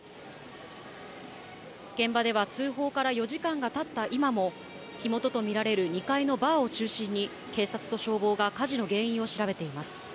現場では、通報から４時間がたった今も、火元と見られる２階のバーを中心に、警察と消防が火事の原因を調べています。